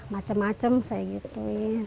macem macem misalnya gitu